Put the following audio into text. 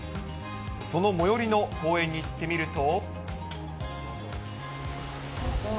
その最寄りの公園に行ってみると。